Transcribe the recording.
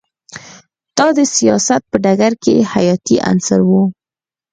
دا د سیاست په ډګر کې حیاتی عنصر و